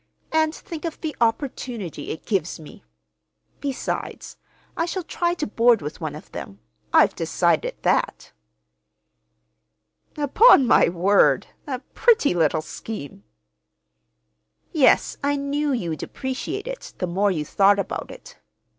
And think of the opportunity it gives me! Besides, I shall try to board with one of them. I've decided that." "Upon my word, a pretty little scheme!" "Yes, I knew you'd appreciate it, the more you thought about it." Mr.